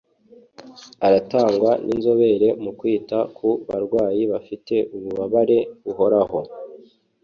Aratangwa n’inzobere mu kwita ku barwayi bafite ububabare buhoraho